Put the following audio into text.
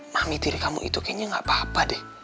mami diri kamu itu kayaknya gak apa apa deh